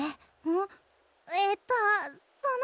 ん？ええっとその。